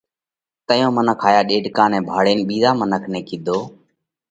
تئيون منک هائيا ڏيڏڪا نئہ ڀاۯينَ ٻِيزا منک نئہ ڪِيڌو: